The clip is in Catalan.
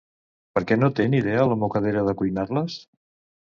Per què no té ni idea la mocadera de cuinar-les?